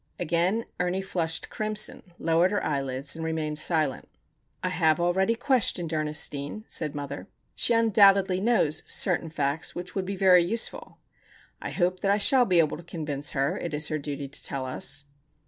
Again Ernie flushed crimson, lowered her eyelids, and remained silent. "I have already questioned Ernestine," said mother. "She undoubtedly knows certain facts which would be very useful. I hope that I shall be able to convince her it is her duty to tell us."